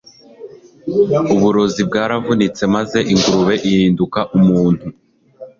uburozi bwaravunitse maze ingurube ihinduka umuntu